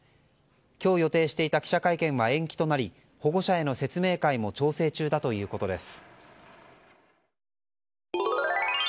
今日予定していた記者会見は延期となり、保護者への説明会も調整中だということです。